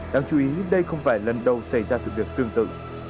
đáng chú ý đây không phải lần đầu xảy ra sự việc tương tự